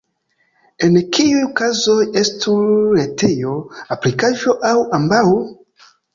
En kiuj kazoj estu retejo, aplikaĵo, aŭ ambaŭ?